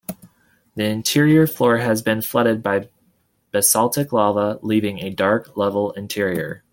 The interior floor has been flooded by basaltic lava, leaving a dark, level interior.